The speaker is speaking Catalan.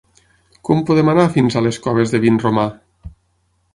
Com podem anar fins a les Coves de Vinromà?